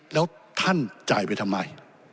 แล้วท่านจ่ายไปทำไม